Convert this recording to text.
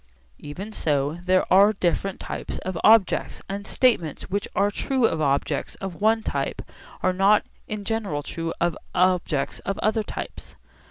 Even so, there are different types of objects, and statements which are true of objects of one type are not in general true of objects of other types.